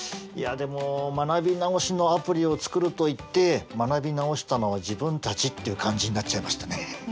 いやでも学び直しのアプリを作るといって学び直したのは自分たちっていう感じになっちゃいましたね。